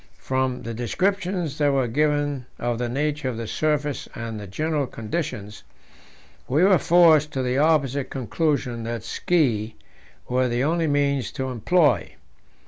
From the descriptions that were given of the nature of the surface and the general conditions, we were forced to the opposite conclusion, that ski were the only means to employ.